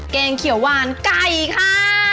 แกงเขียวหวานไก่ค่ะ